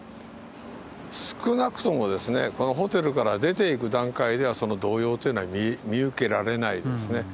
少なくともですね、このホテルから出ていく段階では、その動揺というのは見受けられないですね。